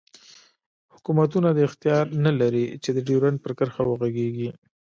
حوکمتونه دا اختیار نه لری چی د ډیورنډ پر کرښه وغږیږی